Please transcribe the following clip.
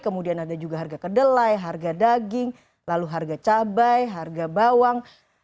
kemudian ada juga harga kedelai harga daging lalu harga cabai harga bawang